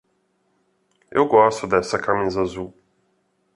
Eu gosto dessa camisa azul.